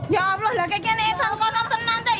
ya allah kita akan menemukan puting beliung nanti